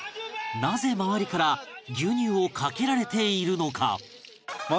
なぜ周りから牛乳をかけられているのか？